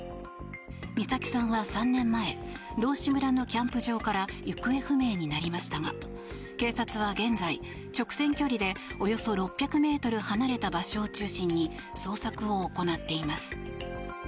美咲さんは３年前道志村のキャンプ場から行方不明になりましたが警察は現在直線距離でおよそ６００ｍ離れた場所を中心に捜索を行っています。